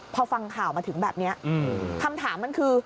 พอฟังข่าวมาถึงแบบนี้คำถามมันคือ